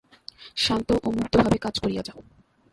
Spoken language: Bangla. শান্ত ও মুক্তভাবে কাজ করিয়া যাও।